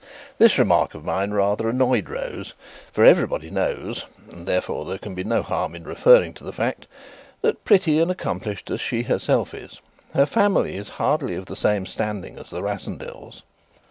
This remark of mine rather annoyed Rose, for everybody knows (and therefore there can be no harm in referring to the fact) that, pretty and accomplished as she herself is, her family is hardly of the same standing as the Rassendylls.